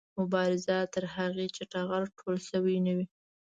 مبارزه تر هغې چې ټغر ټول شوی نه وي